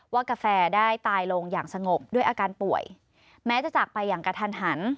กาแฟได้ตายลงอย่างสงบด้วยอาการป่วยแม้จะจากไปอย่างกระทันหัน